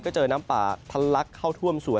ก็เจอน้ำป่าทันลักเข้าท่วมสวน